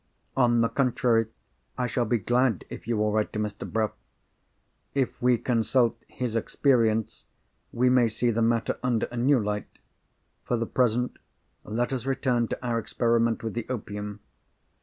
"On the contrary, I shall be glad if you will write to Mr. Bruff. If we consult his experience, we may see the matter under a new light. For the present, let us return to our experiment with the opium.